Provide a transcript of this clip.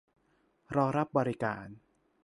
รอรับบริการ